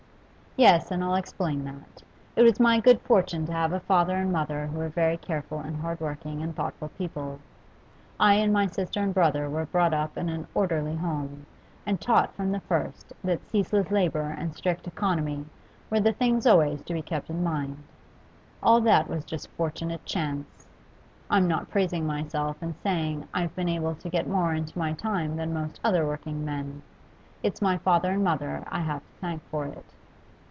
Yes, and I'll explain that. It was my good fortune to have a father and mother who were very careful and hard working and thoughtful people; I and my sister and brother were brought up in an orderly home, and taught from the first that ceaseless labour and strict economy were the things always to be kept in mind. All that was just fortunate chance; I'm not praising myself in saying I've been able to get more into my time than most other working men; it's my father and mother I have to thank for it.